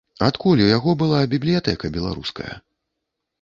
Адкуль у яго была бібліятэка беларуская?